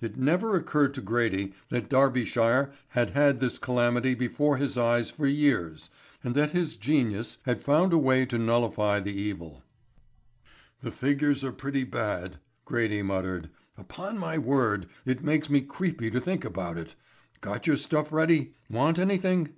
It never occurred to Grady that Darbyshire had had this calamity before his eyes for years, and that his genius had found a way to nullify the evil. "The figures are pretty bad," Grady muttered. "Upon my word, it makes me creepy to think about it. Got your stuff ready? Want anything?"